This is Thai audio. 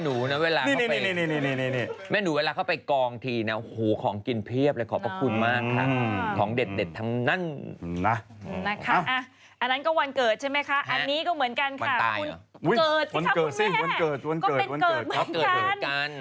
ของเด็ดทำนั่นนะครับอันนั้นก็วันเกิดใช่ไหมคะอันนี้ก็เหมือนกันค่ะคุณเกิดสิครับคุณแม่ก็เป็นเกิดเหมือนกัน